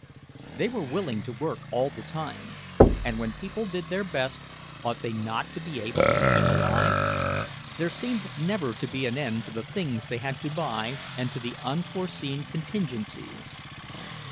They were willing to work all the time; and when people did their best, ought they not to be able to keep alive? There seemed never to be an end to the things they had to buy and to the unforeseen contingencies.